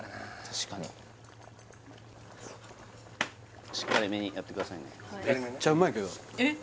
確かにしっかりめにやってくださいねえっ？